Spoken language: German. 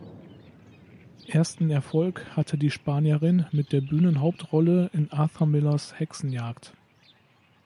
Ersten Erfolg hatte die Spanierin mit der Bühnen-Hauptrolle in Arthur Millers Hexenjagd.